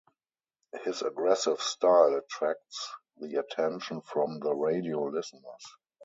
His aggressive style attracts the attention from the radio listeners.